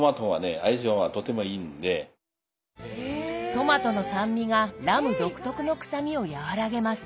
トマトの酸味がラム独特の臭みを和らげます。